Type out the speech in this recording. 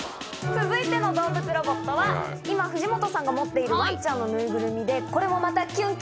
続いての動物ロボットは今藤本さんが持っているワンちゃんのぬいぐるみでこれもまた。